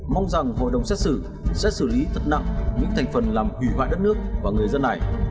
mong rằng hội đồng xét xử sẽ xử lý thật nặng những thành phần làm hủy hoại đất nước và người dân này